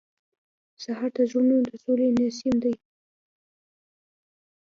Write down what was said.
سهار د زړونو د سولې نسیم دی.